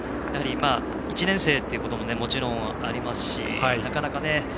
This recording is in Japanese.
１年生ということももちろんありますしなかなかね。